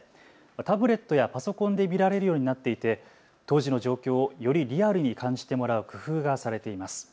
タブレットやパソコンで見られるようになっていて当時の状況をよりリアルに感じてもらう工夫がされています。